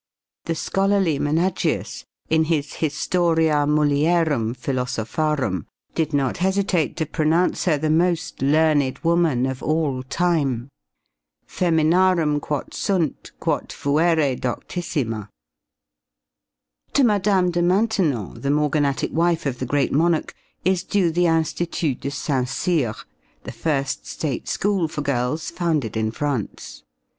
The scholarly Menagius, in his Historia Mulierum Philosopharum, did not hesitate to pronounce her the most learned woman of all time Feminarum quot sunt, quot fuere doctissima. To Mme. de Maintenon, the morganatic wife of the Great Monarch, is due the Institut de Saint Cyr, the first state school for girls founded in France.